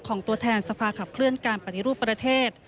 ตัวแทนสภาขับเคลื่อนการปฏิรูปประเทศ